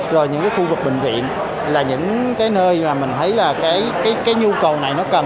rồi những cái khu vực bệnh viện là những cái nơi mà mình thấy là cái nhu cầu này nó cần